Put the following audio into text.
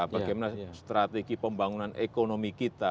bagaimana strategi pembangunan ekonomi kita